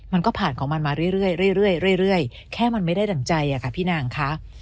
มันก็ผ่านของมันมาเรื่อยแค่มันไม่ได้ดั่งใจค่ะพี่นางคะ